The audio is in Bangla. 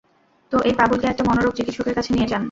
তো, এই পাগলকে একটা মনোরোগ চিকিৎসকের কাছে নিয়ে যান।